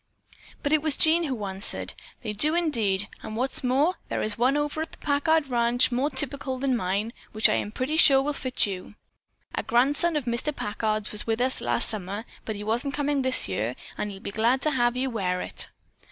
But it was Jean who answered. "They do, indeed, and what is more, there is one over at the Packard ranch more typical than mine, which I am pretty sure will fit you. A grandson of Mr. Packard's was with us last summer, but he isn't coming this year and he'd be glad to have you wear it."